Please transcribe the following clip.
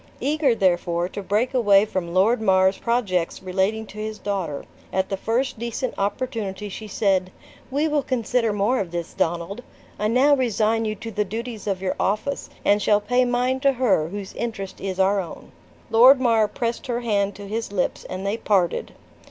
Eager, therefore, to break away from Lord Mar's projects relating to his daughter, at the first decent opportunity she said: "We will consider more of this, Donald. I now resign you to the duties of your office, and shall pay mine to her, whose interest is our own." Lord Mar pressed her hand to his lips, and they parted.